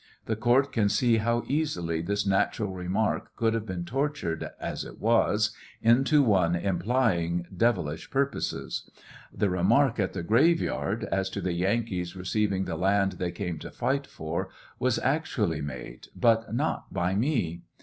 The court can see how easily this natural remark could have been tortured, as it was, into one implying dev ilish purposes. The remark at the graveyard as to the Yankees receiving thi land they came to fight for, was actually made, but not by me.